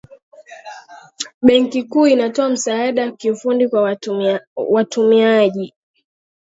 benki kuu inatoa msaada wa kiufundi kwa watumiaji